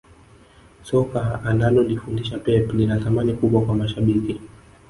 soka analolifundisha pep lina thamani kubwa kwa mashabiki